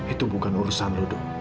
itu bukan urusan lo dok